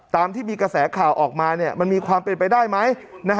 ตามที่มีกระแสข่าวออกมามันมีความเป็นไปได้ไหม